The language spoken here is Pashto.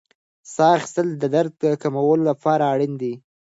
ساه اخیستل د درد د کمولو لپاره اړین دي.